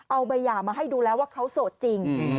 เอาใบหย่ามาให้ดูแล้วว่าเขาโสดจริง